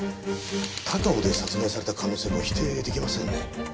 高尾で殺害された可能性も否定出来ませんね。